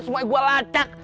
semua gua lacak